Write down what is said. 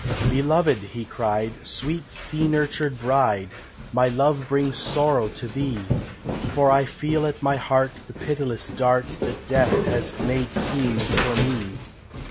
"Beloved," he cried, "sweet sea nurtured bride, My love brings sorrow to thee, For I feel at my heart the pitiless dart That Death has made keen for me."